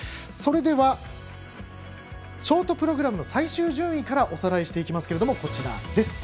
それではショートプログラムの最終順位からおさらいしていきます。